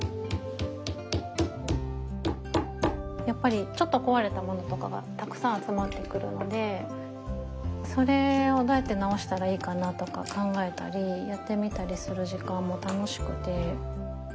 やっぱりちょっと壊れたものとかがたくさん集まってくるのでそれをどうやって直したらいいかなとか考えたりやってみたりする時間も楽しくて。